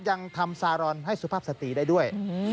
ยังทำซารอนให้สุภาพสตรีได้ด้วย